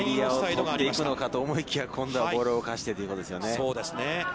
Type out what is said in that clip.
持っていくのかと思いきや、今度はボールを動かしてということですよね。